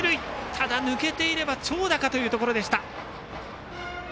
ただ抜けていれば長打かというところでした。